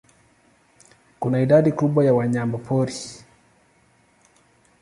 Kuna idadi kubwa ya wanyamapori.